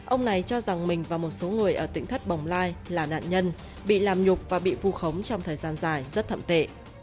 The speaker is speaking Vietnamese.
ông này cho rằng mình và một số người ở tỉnh thất bồng lai là nạn nhân bị làm nhục và bị vu khống trong thời gian dài rất thậm tệ